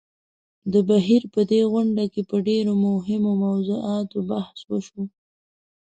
د بهېر په دې غونډه کې په ډېرو مهمو موضوعاتو بحث وشو.